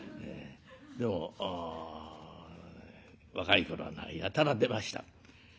でも若い頃はやたら出ました。